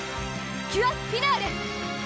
キュアフィナーレ！